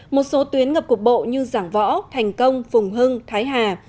một số tuyến ngập cục bộ như giảng võ thành công phùng hưng thái hà